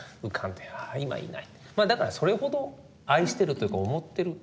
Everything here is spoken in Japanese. だからそれほど愛してるというか思ってる。